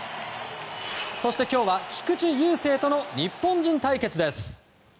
そして今日は菊池雄星との日本人対決です。